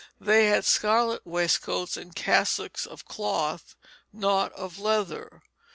They had scarlet waistcoats and cassocks of cloth, not of leather.